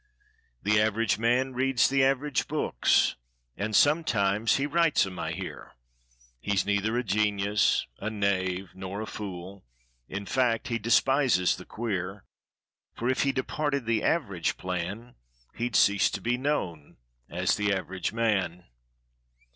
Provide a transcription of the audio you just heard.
The Average Man reads the average books, And sometimes he writes 'em, I hear; He's neither a genius, a knave, nor a fool, In fact he despises the queer; For if he departed the Average PlanHe'd cease to be known as the Average Man.